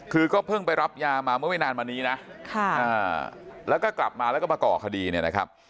คือก็เพิ่งไปรับยามาเมื่อไม่นานมานี้นะแล้วก็กลับมาแล้วก็มาก่อคดีเนี่ยนะครับ